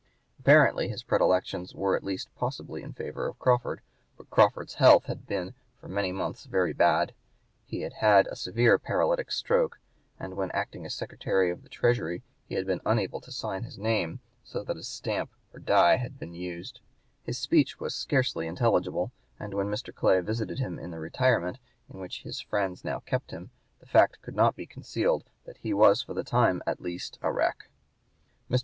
Apparently his predilections were at least possibly in favor of Crawford; but (p. 170) Crawford's health had been for many months very bad; he had had a severe paralytic stroke, and when acting as Secretary of the Treasury he had been unable to sign his name, so that a stamp or die had been used; his speech was scarcely intelligible; and when Mr. Clay visited him in the retirement in which his friends now kept him, the fact could not be concealed that he was for the time at least a wreck. Mr.